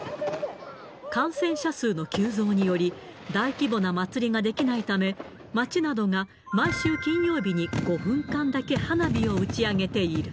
感染者数の急増により、大規模な祭りができないため、町などが毎週金曜日に、５分間だけ花火を打ち上げている。